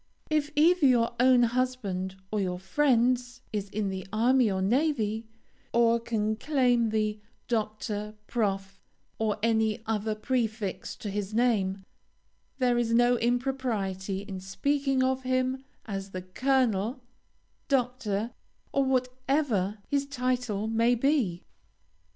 If either your own husband or your friend's is in the army or navy, or can claim the Dr., Prof., or any other prefix to his name, there is no impropriety in speaking of him as the colonel, doctor, or whatever his title may be.